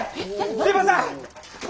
すいません！え？